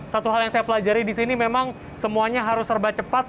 satu hal yang saya pelajari di sini memang semuanya harus serba cepat